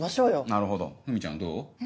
なるほどふみちゃんどう？